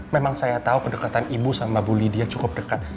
memang saya tahu kedekatan ibu sama bully dia cukup dekat